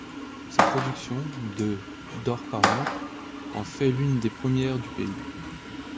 Sa production, de d'or par an, en fait l'une des premières du pays.